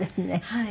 はい。